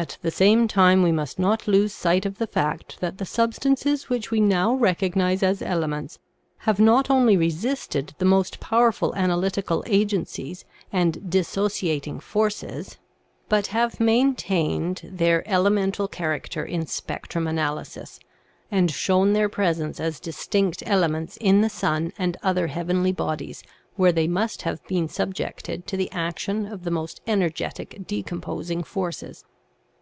At the same time we must not lose sight of the fact that the substances which we now recognize as elements have not only resisted the most powerful analytical agencies and dissociating forces, but have maintained their ele QO THE SEVEN FOLLIES OF SCIENCE mental character in spectrum analysis, and shown their presence as distinct elements in the sun and other heavenly bodies where they must have been subjected to the action of the most energetic decomposing forces.